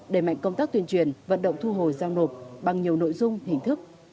đẩy mạnh công tác tuyên truyền vận động thu hồi giao nộp bằng nhiều nội dung hình thức